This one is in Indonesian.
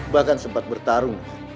bahkan sempat bertarung